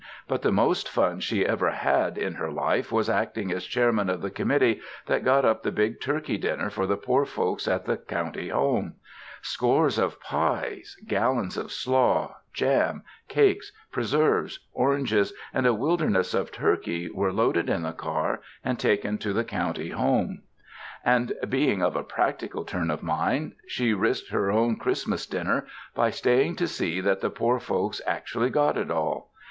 But the most fun she ever had in her life was acting as chairman of the committee that got up the big turkey dinner for the poor folks at the county home; scores of pies, gallons of slaw; jam, cakes, preserves, oranges and a wilderness of turkey were loaded in the car and taken to the county home. And, being of a practical turn of mind, she risked her own Christmas dinner by staying to see that the poor folks actually got it all.